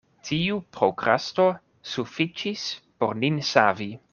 Tiu prokrasto sufiĉis por nin savi.